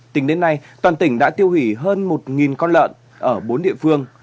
tính đến nay toàn tỉnh đã tiêu hủy hơn một con lợn ở bốn địa phương